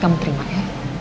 kamu terima ya